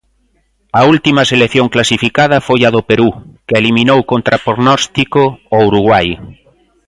A última selección clasificada foi a do Perú, que eliminou contra prognóstico o Uruguai.